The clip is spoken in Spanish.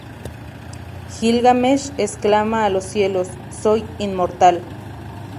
Gilgamesh exclama a los cielos "¡Soy inmortal!